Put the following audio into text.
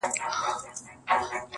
نن دي دواړي سترگي سرې په خاموشۍ كـي.